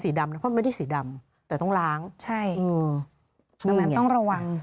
สีดำนะเพราะมันไม่ได้สีดำแต่ต้องล้างใช่อืมต้องระวัง